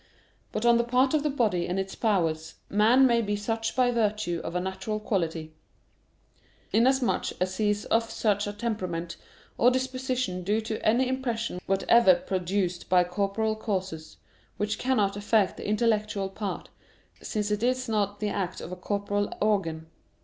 But on the part of the body and its powers man may be such by virtue of a natural quality, inasmuch as he is of such a temperament or disposition due to any impression whatever produced by corporeal causes, which cannot affect the intellectual part, since it is not the act of a corporeal organ.